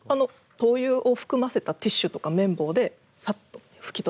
灯油を含ませたティッシュとか綿棒でさっと拭き取れば。